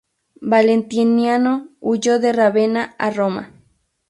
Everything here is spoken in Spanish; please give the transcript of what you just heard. Valentiniano huyó de Rávena a Roma.